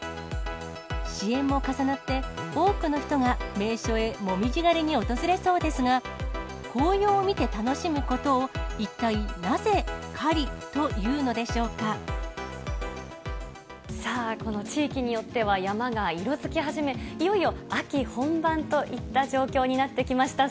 支援も重なって、多くの人が名所へ、紅葉狩りに訪れそうですが、紅葉を見て楽しむことを一体なぜ、さあ、この地域によっては、山が色づき始め、いよいよ秋本番といった状況になってきました。